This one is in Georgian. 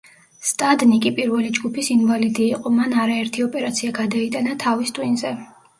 სტადნიკი პირველი ჯგუფის ინვალიდი იყო, მან არაერთი ოპერაცია გადაიტანა თავის ტვინზე.